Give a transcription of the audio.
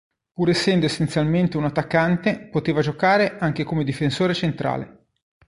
Pur essendo essenzialmente un attaccante, poteva giocare anche come difensore centrale.